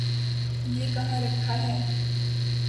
یہ کہاں رکھا ہے؟